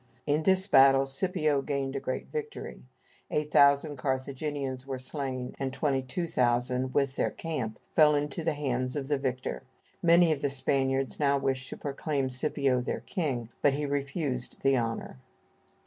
In this battle Scipio gained a great victory; 8,000 Carthaginians were slain, and 22,000, with their camp, fell into the hands of the victor. Many of the Spaniards now wished to proclaim Scipio their king, but he refused the honor.